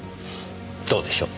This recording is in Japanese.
どうでしょう？